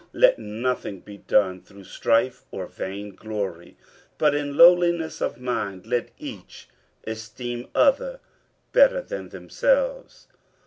50:002:003 Let nothing be done through strife or vainglory; but in lowliness of mind let each esteem other better than themselves.